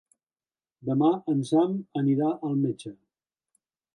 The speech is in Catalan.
Demà en Sam anirà al metge.